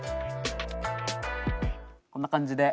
こんな感じで。